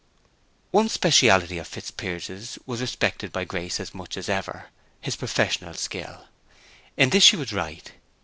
One speciality of Fitzpiers's was respected by Grace as much as ever—his professional skill. In this she was right.